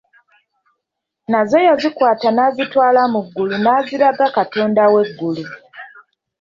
Nazo yazikwata n'azitwala mu ggulu n'aziraga katonda w'eggulu.